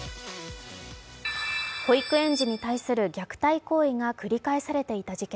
保育園児に対する虐待行為が繰り返されていた事件。